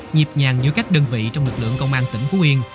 nhịp nhàng giữa các đơn vị trong lực lượng công an tỉnh phú yên